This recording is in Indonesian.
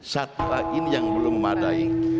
satu lain yang belum memadai